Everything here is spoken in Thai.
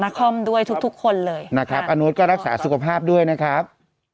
คอมด้วยทุกทุกคนเลยนะครับอาโน๊ตก็รักษาสุขภาพด้วยนะครับ